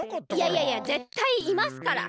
いやいやぜったいいますから。